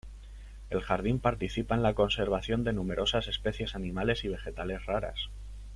El jardín participa en la conservación de numerosas especies animales y vegetales raras.